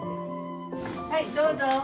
はいどうぞ。